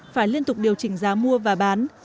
phải liên tục điều chỉnh giá mua và bán